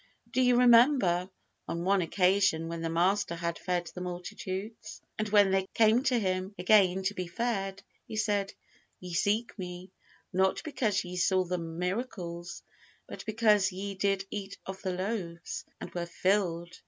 Do you remember, on one occasion, when the Master had fed the multitudes, and when they came to Him again to be fed, He said, "Ye seek Me, not because ye saw the miracles, but because ye did eat of the loaves, and were filled."